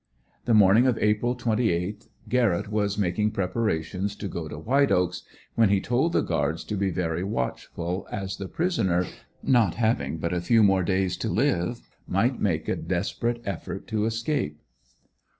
The morning of April, 28th, Garrett was making preparations to go to White Oaks, when he told the guards to be very watchful as the prisoner, not having but a few more days to live, might make a desperate effort to escape.